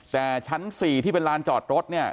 แต่ชั้น๔ที่เป็นลานจอดรถเนี่ย